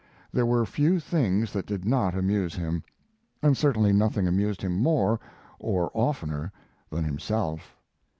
There were few things that did not amuse him, and certainly nothing amused more, or oftener, than himself.